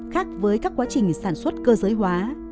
khác với các quá trình sản xuất cơ giới hóa